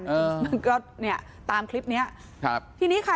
เออมันก็เนี่ยตามคลิปเนี้ยครับทีนี้ค่ะ